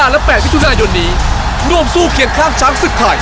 ๕และ๘อันทุนายนโดดโน่มสู้เขียนครับชั้นสุขไทยโดย